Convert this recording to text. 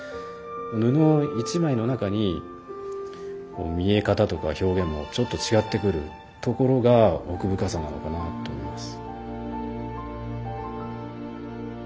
布１枚の中に見え方とか表現がちょっと違ってくるところが奥深さなのかなと思います。